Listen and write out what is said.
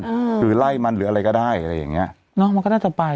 อืมคือไล่มันหรืออะไรก็ได้อะไรอย่างเงี้ยเนอะมันก็น่าจะไป